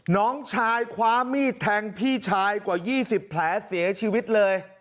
น้องชายคว้ามีดแทงพี่ชายกว่า๒๐แผลเสียชีวิตเลย